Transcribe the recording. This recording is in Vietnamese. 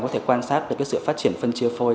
có thể quan sát được cái sự phát triển phân chia phôi